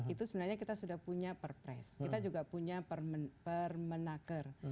itu sebenarnya kita sudah punya perpres kita juga punya permenaker